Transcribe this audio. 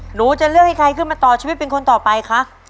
หนูจะเลือกให้ใครขึ้นมาต่อชีวิตเป็นคนต่อไปคะ